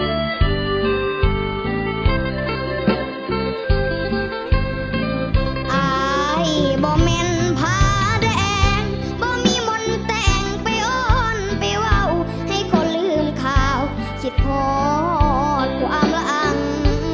อายบ่เม่นพาแดงบ่มีมนต์แต่งไปอ้อนไปว่าวให้คนลืมข่าวคิดทอดความละอัง